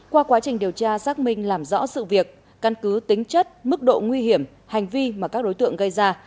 qua quá trình điều tra xác minh làm rõ sự việc căn cứ tính chất mức độ nguy hiểm hành vi mà các đối tượng gây ra